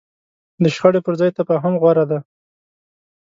د شخړې پر ځای تفاهم غوره دی.